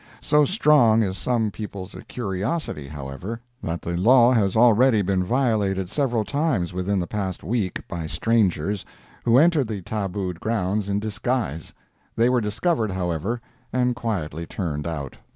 So strong is some people's curiosity, however, that the law has already been violated several times within the past week by strangers, who entered the tabooed grounds in disguise. They were discovered, however, and quietly turned out.